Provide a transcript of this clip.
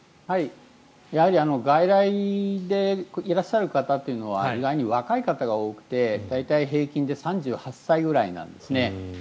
やはり外来でいらっしゃる方というのは意外に若い方が多くて大体平均で３８歳ぐらいなんですね。